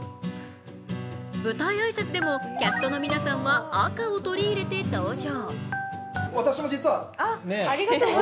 舞台挨拶でもキャストの皆さんは赤を取り入れて登場。